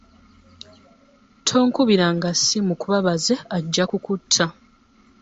Tonkubiranga ssimu kuba baze ajja kukutta.